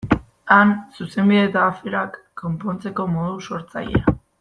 Han, Zuzenbidea eta aferak konpontzeko modu sortzailea.